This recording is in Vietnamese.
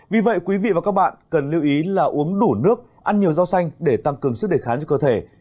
vì vậy quý vị và các bạn cần lưu ý là uống đủ nước ăn nhiều rau xanh để tăng cường sức đề kháng cho cơ thể